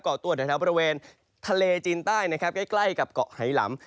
เกาะตัวในแถวบริเวณทะเลจีนใต้นะครับใกล้กับเกาะไหล่หลัม